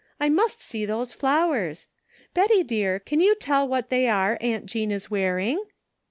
I must see those flowers. Betty, dear, can you tell what they are Aunt Jean is wearing?